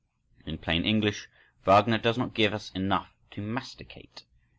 In plain English, Wagner does not give us enough to masticate.